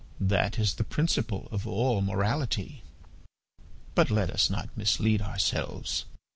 That is the principle of all morality. ... But let us not mislead ourselves.